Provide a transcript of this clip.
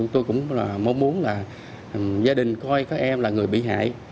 tôi cũng mong muốn là gia đình coi các em là người bị hại